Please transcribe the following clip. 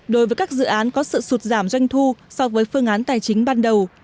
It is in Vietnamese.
đối với các dự án có sự sụt giảm doanh thu so với phương án tài chính ban đầu